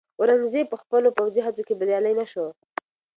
اورنګزېب په خپلو پوځي هڅو کې بریالی نه شو.